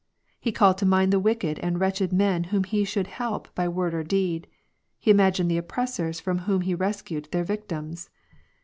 He called to mind the wicked and wretched men whom he should help by word or deed ; he imagined the op pressors from whom he rescued their victims.